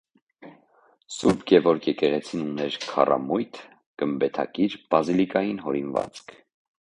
Սուրբ Գևորգ եկեղեցին ուներ քառամույթ գմբեթակիր բազիլիկայի հորինվածք։